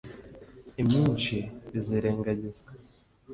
imyinshi izirengagizwa.